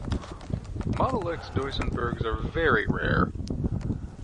Model X Duesenbergs are very rare.